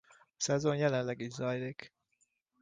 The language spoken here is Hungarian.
A szezon jelenleg is zajlik.